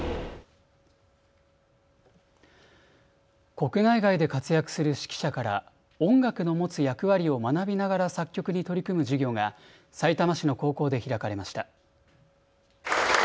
国内外で活躍する指揮者から音楽の持つ役割を学びながら作曲に取り組む授業がさいたま市の高校で開かれました。